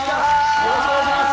よろしくお願いします！